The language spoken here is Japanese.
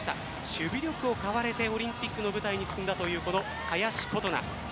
守備力を買われてオリンピックの舞台に進んだという林琴奈。